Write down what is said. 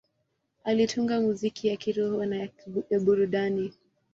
Alitunga muziki ya kiroho na ya burudani.